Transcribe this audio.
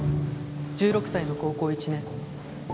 １６歳の高校１年。